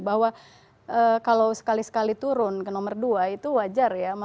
bahwa kalau sekali sekali turun ke nomor dua itu wajar ya